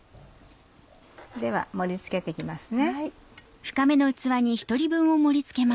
では盛り付けて行きますね。